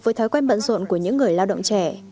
với thói quen bận rộn của những người lao động trẻ